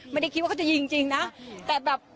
แม่